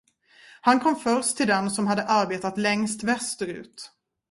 Han kom först till den som hade arbetat längst västerut.